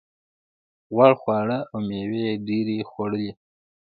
غوړ خواړه او مېوې یې ډېرې خوړلې.